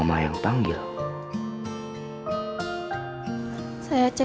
pak dindy gimana keadaan nya